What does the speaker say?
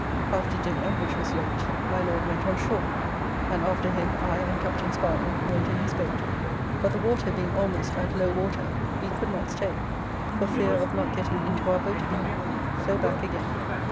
After dinner which was late my Lord went on shore, and after him I and Capt. Sparling went in his boat, but the water being almost at low water we could not stay for fear of not getting into our boat again. So back again.